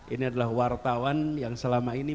ini adalah wartawan yang selama ini